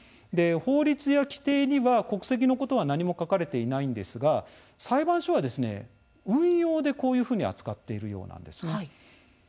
法律や規定には国籍のことは何も書かれていないんですが裁判所は、運用でこういうふうに扱っているようなんです。